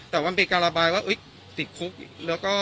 แต่มันเป็นการระบายว่าติดคุกแล้วก็